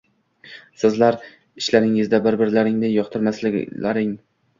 Sizlar ichlaringda bir-birlaringni yoqtirmasdinglar